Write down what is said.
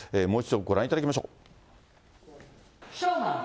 もう一度ご覧いただきましょう。